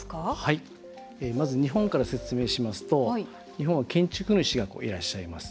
まず日本から説明しますと日本は建築主がいらっしゃいます。